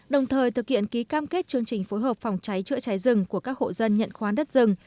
đồng thời thực hiện ký cam kết chương trình phối hợp phòng cháy chữa cháy rừng của các hộ dân nhận khoán đất rừng